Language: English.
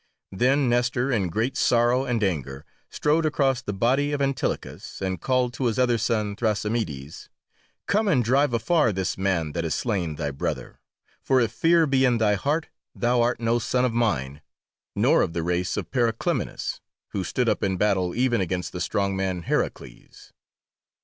Then Nestor in great sorrow and anger strode across the body of Antilochus and called to his other son, Thrasymedes, "Come and drive afar this man that has slain thy brother, for if fear be in thy heart thou art no son of mine, nor of the race of Periclymenus, who stood up in battle even against the strong man Heracles!"